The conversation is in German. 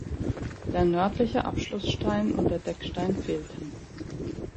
Der nördliche Abschlussstein und der Deckstein fehlten.